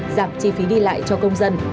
giảm chi phí đi lại cho công dân